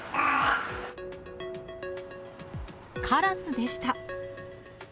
カラスでした。